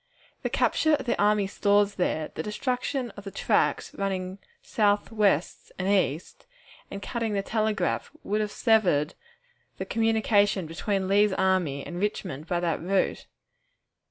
The capture of the army stores there, the destruction of the tracks running south, west, and east, and cutting the telegraph, would have severed the communication between Lee's army and Richmond by that route.